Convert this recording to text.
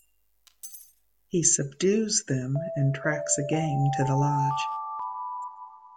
He subdues them and tracks the gang to the lodge.